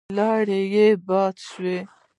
لاړې يې باد شوې.